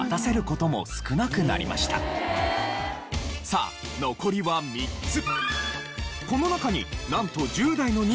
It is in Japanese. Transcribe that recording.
さあ残りは３つ。